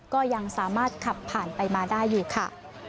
ก็ยังสามารถขับผ่านไปมาได้อยู่ค่ะ